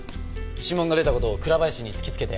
指紋が出た事を倉林に突きつけて。